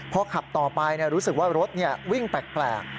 พอขับต่อไปรู้สึกว่ารถวิ่งแปลก